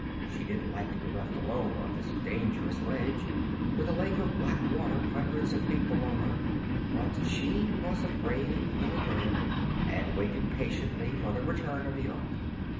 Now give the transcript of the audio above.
She didn't like to be left alone on this dangerous ledge, with a lake of black water hundreds of feet below her; but she was a brave little girl and waited patiently for the return of the Ork.